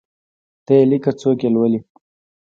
ته یی لیکه څوک یي لولﺉ